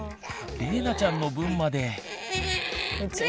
れいなちゃんの分まで。